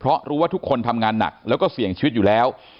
เพราะรู้ว่าทุกคนทำงานหนักแล้วก็เสี่ยงชีวิตอยู่แล้ว